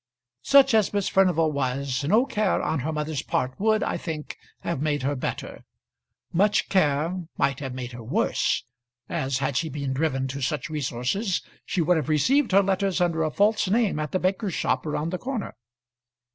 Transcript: Such as Miss Furnival was, no care on her mother's part would, I think, have made her better. Much care might have made her worse, as, had she been driven to such resources, she would have received her letters under a false name at the baker's shop round the corner.